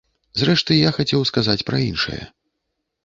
Зрэшты, я хацеў сказаць пра іншае.